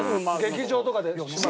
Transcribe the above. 劇場とかで。